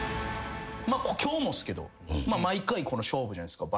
今日もっすけど毎回勝負じゃないっすか。